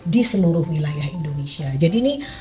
di seluruh wilayah indonesia jadi ini